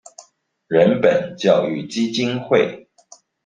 人本教育基金會